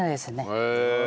へえ。